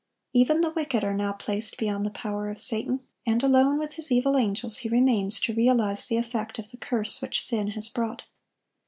Even the wicked are now placed beyond the power of Satan; and alone with his evil angels he remains to realize the effect of the curse which sin has brought.